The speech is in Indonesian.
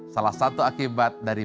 salah satu akibat dari